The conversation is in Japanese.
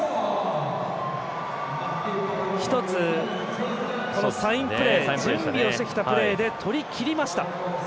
一つ、サインプレー準備をしてきたプレーで取りきりました。